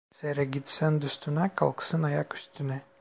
Seyrek git sen dostuna, kalksın ayak üstüne.